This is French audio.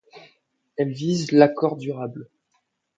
Elle vise l'accord durable.